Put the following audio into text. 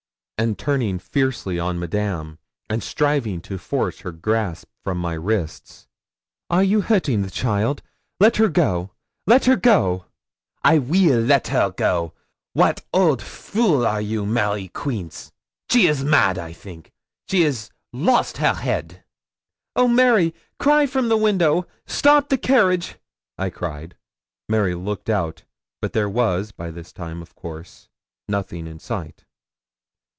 And turning fiercely on Madame, and striving to force her grasp from my wrists, 'Are you hurting the child? Let her go let her go.' 'I weel let her go. Wat old fool are you, Mary Queence! She is mad, I think. She 'as lost hair head.' 'Oh, Mary, cry from the window. Stop the carriage!' I cried. Mary looked out, but there was by this time, of course, nothing in sight.